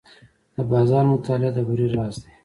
د بازار مطالعه د بری راز دی.